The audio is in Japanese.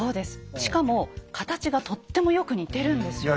しかも形がとってもよく似てるんですよ。